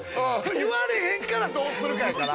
言われへんからどうするかやから。